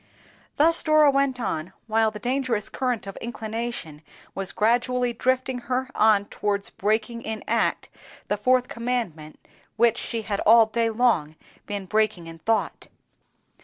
Thus Dora went on, while the dangerous current of inclination was gradually drifting her on towards breaking in act the Fourth Commandment, which she had all day long been breaking in thought.